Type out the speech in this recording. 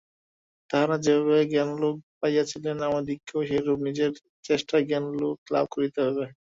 তাঁহারা যেভাবে জ্ঞানালোক পাইয়াছিলেন, আমাদিগকেও সেইরূপ নিজের চেষ্টায় জ্ঞানালোক লাভ করিতে হইবে।